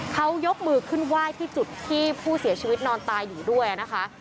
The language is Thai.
เขายกมือขึ้นไหว้ที่จุดที่ผู้เสียชีวิตนอนตายอยู่ด้วยนะคะ